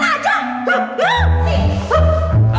orang orang jalan aja